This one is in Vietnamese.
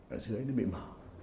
ở dưới nó bị mở